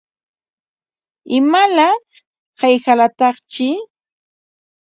¿Imalaq hayqalataqshi?